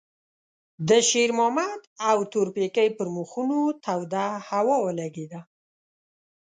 د شېرمحمد او تورپيکۍ پر مخونو توده هوا ولګېده.